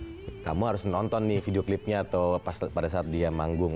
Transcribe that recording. oh kamu harus nonton nih video klipnya atau pada saat dia manggung